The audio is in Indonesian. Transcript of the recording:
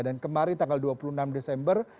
dan kemarin tanggal dua puluh enam desember